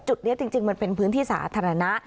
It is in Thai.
จุดนี้จริงมันเป็นพื้นที่สาธารณะ